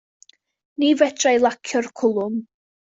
Ni fedrai lacio'r cwlwm.